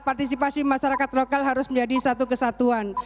partisipasi masyarakat lokal harus menjadi satu kesatuan